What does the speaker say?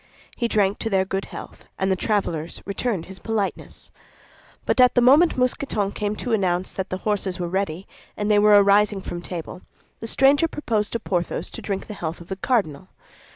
He drank to their good health, and the travelers returned his politeness. But at the moment Mousqueton came to announce that the horses were ready, and they were arising from table, the stranger proposed to Porthos to drink the health of the cardinal.